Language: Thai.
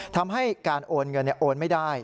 ทำให้การโอนเงินโอนไม่ได้